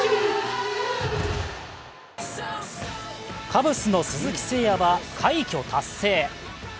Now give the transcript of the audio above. カブスの鈴木誠也は快挙達成。